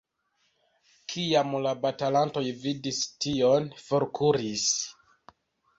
Kiam la batalantoj vidis tion, forkuris.